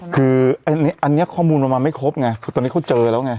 คืออันนี้ข้อมูลประมาณไม่ครบไงคือตอนนี้เขาเจอแล้วไง